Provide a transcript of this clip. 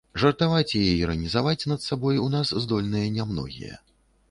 Жартаваць і іранізаваць над сабой у нас здольныя не многія.